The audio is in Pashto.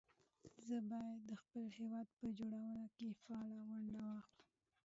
زه بايد د خپل هېواد په جوړونه کې فعاله ونډه واخلم